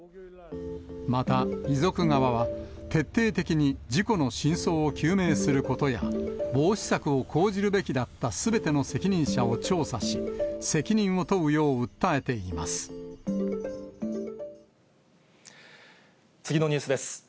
また、遺族側は、徹底的に事故の真相を究明することや、防止策を講じるべきだったすべての責任者を調査し、次のニュースです。